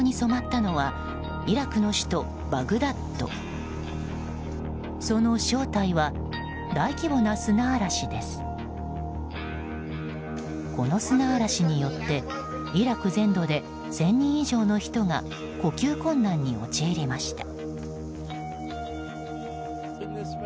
この砂嵐によってイラク全土で１０００人以上の人が呼吸困難に陥りました。